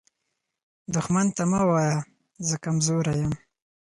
دښمن ته مه وایه “زه کمزوری یم”